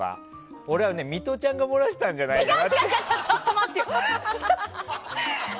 俺はミトちゃんがもらしたんじゃないかと。